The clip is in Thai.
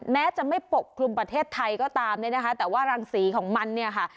แม้จะไม่ปกคลุมประเทศไทยก็ตามเนี่ยนะคะแต่ว่ารังสีของมันเนี่ยค่ะ